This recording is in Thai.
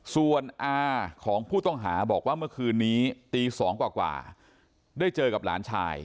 ส่วนอาของผู้ต้องหาบอกว่าเมื่อคืนนี้ตี๒กว่าได้เจอกับหลานชาย